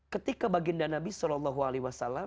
ketika baginda nabi saw